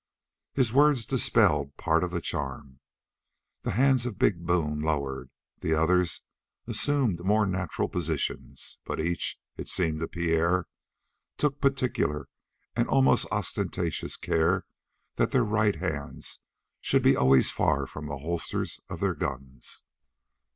His words dispelled part of the charm. The hands of big Boone lowered; the others assumed more natural positions, but each, it seemed to Pierre, took particular and almost ostentatious care that their right hands should be always far from the holsters of their guns.